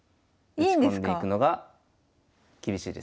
打ち込んでいくのが厳しいです。